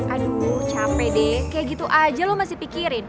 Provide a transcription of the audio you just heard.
aduuuh cape deh kayak gitu aja lo masih pikirin